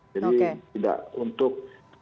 jadi tidak untuk